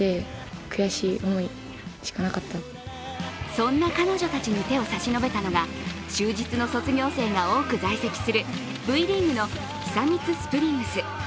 そんな彼女たちに手を差し伸べたのが、就実の卒業生が多く在籍するＶリーグの久光スプリングス。